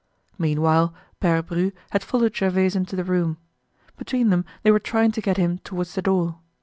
Meanwhile, Pere Bru had followed Gervaise into the room. Between them they were trying to get him towards the door.